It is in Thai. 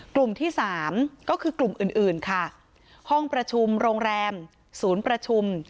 กลุ่มที่สามก็คือกลุ่มอื่นอื่นค่ะห้องประชุมโรงแรมศูนย์ประชุม